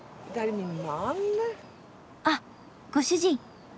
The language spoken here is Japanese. あっご主人。